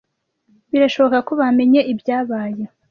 Birashoboka ko bamenye ibyabaye.